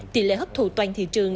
tỷ lệ hấp thụ toàn thị trường